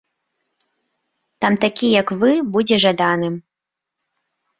Там такі, як вы, будзе жаданым.